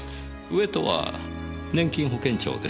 上とは年金保険庁ですね？